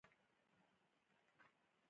چارواکو ته پکار ده چې، ژوند ښکلی کړي.